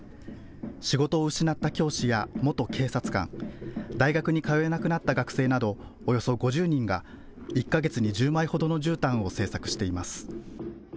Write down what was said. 仕事を失った教師や元警察官、大学に通えなくなった学生などおよそ５０人が１か月に１０枚ほどのじゅうたんを製作しています。